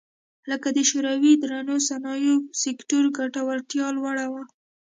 لکه د شوروي درنو صنایعو سکتور ګټورتیا لوړه وه